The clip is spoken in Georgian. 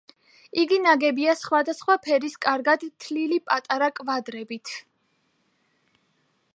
იგი ნაგებია სხვადასხვა ფერის, კარგად თლილი პატარა კვადრებით.